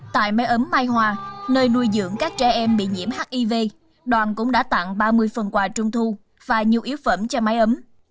tại máy ấm mai hòa nơi nuôi dưỡng các trẻ em bị nhiễm hiv đoàn cũng đã tặng ba mươi phần quà trung thu và nhiều yếu phẩm cho máy ấm